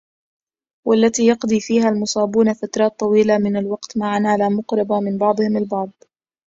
والتي يقضي فيها المصابون فترات طويلة من الوقت معاً على مقربة من بعضهم البعض